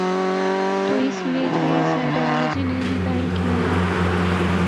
تو اس لیے کہ اس آئیڈیالوجی نے انہیں قائل کیا ہے۔